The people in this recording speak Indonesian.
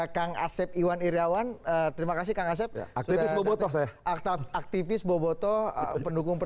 kang asep iwan iryawan terima kasih kang asep aktivis boboto aktivis boboto pendukung